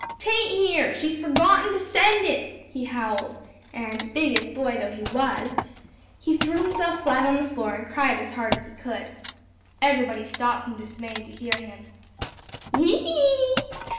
"'Tain't here; she's forgotten to send it," he howled, and, "biggest boy" though he was, he threw himself flat on the floor and cried as hard as he could. Everybody stopped in dismay to hear him. "Hee hee hee!"